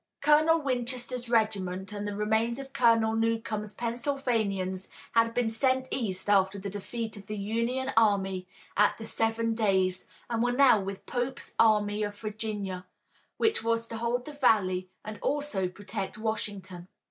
Colonel Winchester's regiment and the remains of Colonel Newcomb's Pennsylvanians had been sent east after the defeat of the Union army at the Seven Days, and were now with Pope's Army of Virginia, which was to hold the valley and also protect Washington.